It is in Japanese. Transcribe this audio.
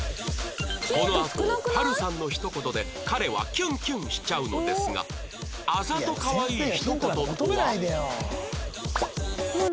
このあとぱるさんのひと言で彼はキュンキュンしちゃうのですがあざと可愛いひと言とは？